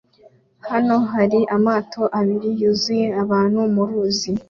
Hano hari amato abiri yuzuye abantu muruzi